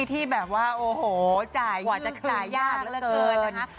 ที่แบบว่าโอ้โหจ่ายยื่นจ่ายยากเกินนะครับ